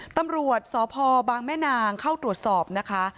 ตำรวจสพบางแม่นางเข้าตรวจสอบนะคะ